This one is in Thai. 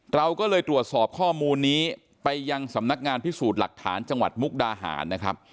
เราก็เลยตรวจสอบข้อมูลนี้ไปยังสำนักงานพิสูจน์หลักฐานจังหวัดมุกดาหารนะครับ